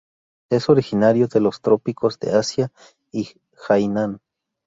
Es originario de los trópicos de Asia y Hainan.